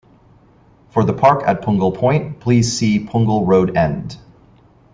"For the park at Punggol Point please see Punggol Road End"